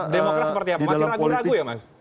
demokrat seperti apa masih ragu ragu ya mas